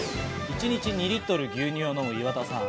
一日２リットル牛乳を飲む岩田さん。